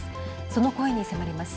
その声に迫ります。